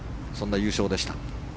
そんな優勝でした。